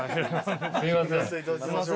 すいません。